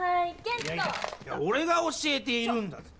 いやおれが教えているんだぜぇ。